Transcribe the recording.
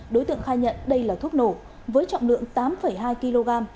đối tượng khai nhận đây là thuốc nổ với trọng lượng tám hai kg